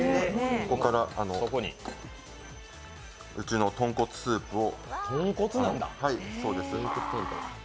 ここからうちの豚骨スープを。